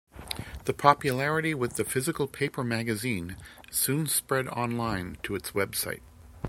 The popularity with the physical paper magazine soon spread online to its website.